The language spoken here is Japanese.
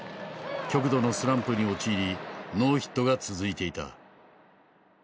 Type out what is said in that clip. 極度のスランプに陥りノーヒットが続いていた。